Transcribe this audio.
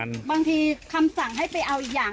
บางทีคำสั่งให้ไปเอาอีกอย่าง